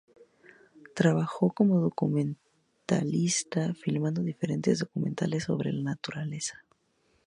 Trabajó como documentalista filmando diferentes documentales sobre la naturaleza.